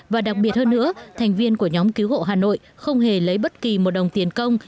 và đặc biệt hơn nữa thành viên của nhóm cứu hộ hà nội không hề lấy bất kỳ một đồng tiền công